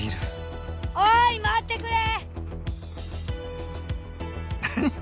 おい待ってくれ！